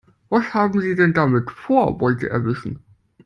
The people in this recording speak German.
Was haben Sie denn damit vor?, wollte er wissen.